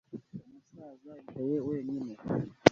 Umusaza yicaye wenyine